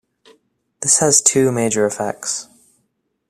This has two major effects.